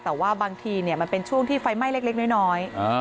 แต่ว่าบางทีเนี่ยมันเป็นช่วงที่ไฟไหม้เล็กเล็กน้อยน้อยอ่า